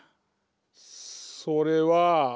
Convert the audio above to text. それは。